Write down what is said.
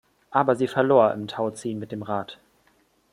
Aber sie verlor im Tauziehen mit dem Rat.